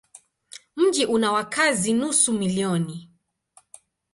Mji una wakazi nusu milioni.